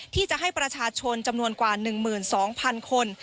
ที่จะให้ประชาชนจำนวนกว่า๑๒๐๐๐คน